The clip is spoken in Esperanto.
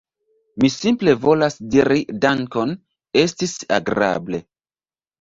Mi simple volas diri dankon, estis agrable!